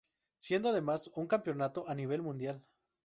Siendo además un campeonato a nivel mundial.